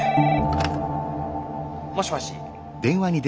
☎もしもし。